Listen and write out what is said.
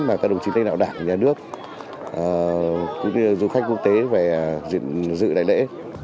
và các đồng chính tên đạo đảng nhà nước cũng như du khách quốc tế về dự đại lễ